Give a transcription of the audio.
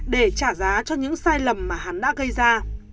để trả giá cho những sai lầm mà hắn đã gây ra